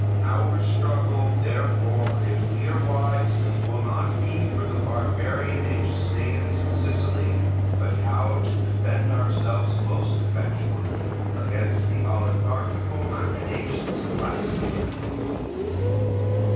Our struggle, therefore, if we are wise, will not be for the barbarian Egestaeans in Sicily, but how to defend ourselves most effectually against the oligarchical machinations of Lacedaemon.